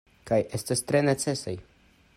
Kaj estas tre necesaj.